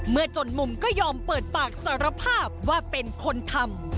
จนมุมก็ยอมเปิดปากสารภาพว่าเป็นคนทำ